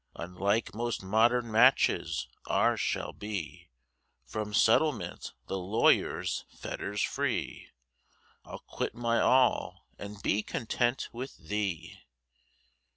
Unlike most modern matches ours shall be, From settlement, the lawyers fetters free; I'll quit my All, and be content with thee.